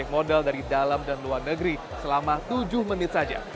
modal dari dalam dan luar negeri selama tujuh menit saja